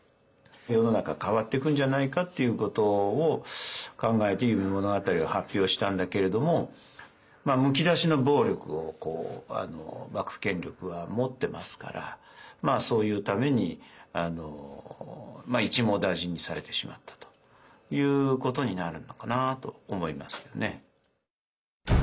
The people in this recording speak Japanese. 世の中変わっていくんじゃないかっていうことを考えて「夢物語」を発表したんだけれどもむき出しの暴力を幕府権力は持ってますからそういうために一網打尽にされてしまったということになるのかなと思いますよね。